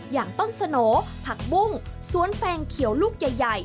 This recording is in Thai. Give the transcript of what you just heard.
อย่างต้นสโหน่ผักบุ้งสวนแฟงเขียวลูกใหญ่